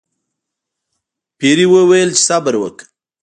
پیري وویل چې صبر وکړه.